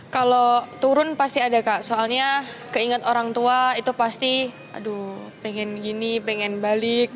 kalau turun pasti ada kak soalnya keinget orang tua itu pasti aduh pengen gini pengen balik